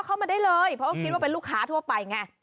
เข้ามาได้เลยเพราะคิดว่าเป็นลูกค้าทั่วไปไง